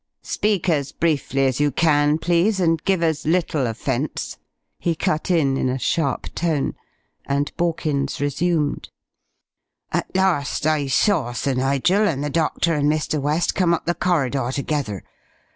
"Speak as briefly as you can, please, and give as little offence," he cut in, in a sharp tone, and Borkins resumed: "At last I saw Sir Nigel and the Doctor and Mr. West come up the corridor together.